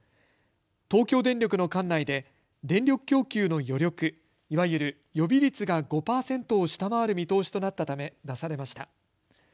東京電力の管内で電力供給の余力、いわゆる予備率が５％を下回る見通しとなったため出されました。